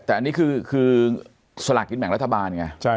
แต่อันนี้คือสลากกินแบ่งรัฐบาลไง